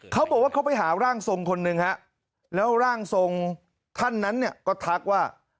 เขาบอกว่าเขาไปหาร่างทรงคนหนึ่งฮะแล้วร่างทรงท่านนั้นเนี่ยก็ทักว่า